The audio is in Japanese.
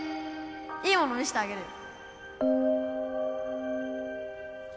いいもの見せてあげるよ。